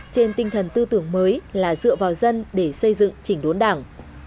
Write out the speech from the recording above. trên tinh thần tư tưởng mới là dựa vào dân để xây dựng chỉnh đốn đảng